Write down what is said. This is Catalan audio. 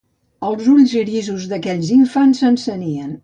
Els ulls grisos d'aquells infants s'encenien